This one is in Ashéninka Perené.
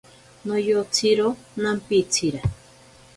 Noyotsiro nampitsira.